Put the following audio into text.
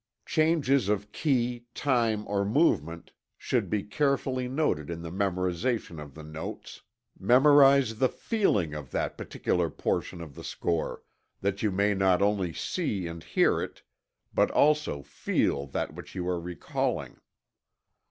Changes of key, time or movement should be carefully noted in the memorization of the notes. And above everything else, memorize the feeling of that particular portion of the score, that you may not only see and hear, but also feel that which you are recalling.